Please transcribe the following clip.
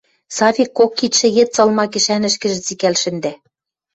Савик кок кидшӹге цылма кӹшӓнӹшкӹжӹ цикӓл шӹндӓ.